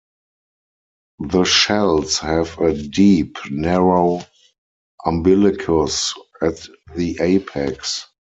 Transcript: The shells have a deep, narrow umbilicus at the apex.